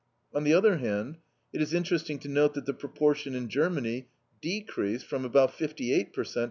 On the other hand, it is interesting to note that the proportion in Germany decreased from about 58 per cent.